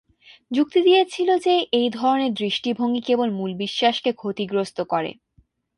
যুক্তি দিয়েছিল যে, এই ধরনের দৃষ্টিভঙ্গি কেবল মুল বিশ্বাসকে ক্ষতিগ্রস্ত করে।